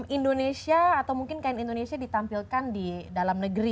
indonesia atau mungkin kain indonesia ditampilkan di dalam negeri